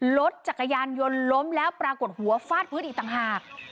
รถจักรยานยนต์ล้มแล้วปรากฏหัวฟาดพื้นอีกต่างหาก